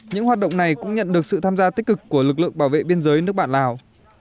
những hoạt động này cũng nhận được sự tham gia tích cực của lực lượng bảo vệ biên giới nước bạn lào